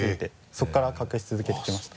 そこから隠し続けてきました。